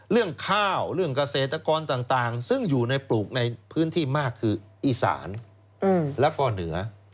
เรื่องข้าวเรื่องเกษตรกรต่างซึ่งอยู่ในปลูกในพื้นที่มากคืออีสานแล้วก็เหนือ